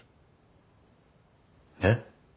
えっ。